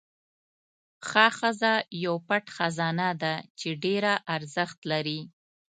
ښه ښځه یو پټ خزانه ده چې ډېره ارزښت لري.